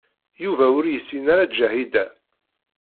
Yuba ur yessin ara Ǧahida.